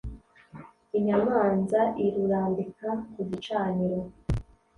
inyamanza irurambika ku gicaniro